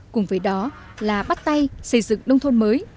cùng với đó là bắt tay xây dựng nông thôn mới